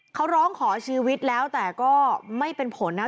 เขาร้องขอชีวิตแล้วแต่ก็ไม่เป็นผลนะ